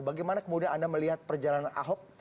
bagaimana kemudian anda melihat perjalanan ahok